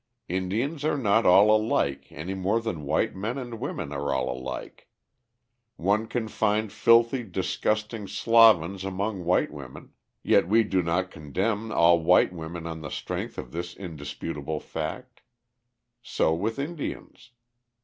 Indians are not all alike any more than white men and women are all alike. One can find filthy, disgusting slovens among white women, yet we do not condemn all white women on the strength of this indisputable fact. So with Indians.